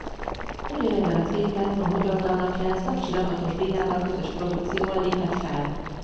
Ugyanebben az évben a Magyar Dal Napján Szakcsi Lakatos Bélával közös produkcióval lépett fel.